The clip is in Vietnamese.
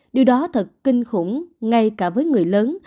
điều đó thật kinh khủng ngay cả với người lớn